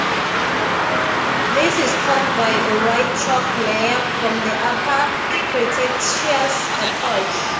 This is topped by a white chalk layer from the Upper Cretaceous epoch.